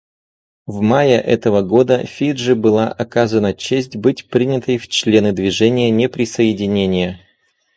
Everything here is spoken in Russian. В мае этого года Фиджи была оказана честь быть принятой в члены Движения неприсоединения.